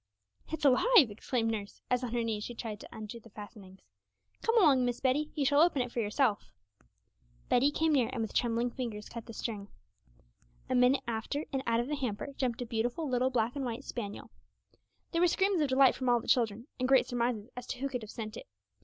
'It's alive!' exclaimed nurse, as on her knees she tried to undo the fastenings. 'Come along, Miss Betty, you shall open it for yourself.' Betty came near, and with trembling fingers cut the string. A minute after, and out of the hamper jumped a beautiful little black and white spaniel. There were screams of delight from all the children, and great surmises as to who could have sent it.